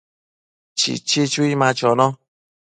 Chichi chui ma chono